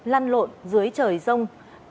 lăn lộn dưới trời rông